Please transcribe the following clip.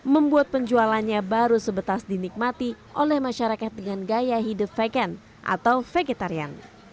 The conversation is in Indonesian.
membuat penjualannya baru sebetas dinikmati oleh masyarakat dengan gaya hidup vecond atau vegetarian